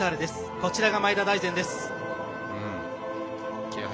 こちらが前田大然です。